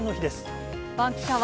バンキシャは、